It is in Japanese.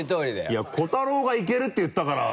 いや瑚太郎がいけるって言ったから！